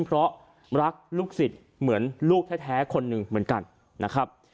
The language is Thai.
เพราะรักลูกศิษย์เหมือนลูกแท้คนหนึ่งเหมือนกันนะครับ